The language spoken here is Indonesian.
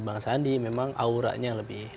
bang sandi memang auranya lebih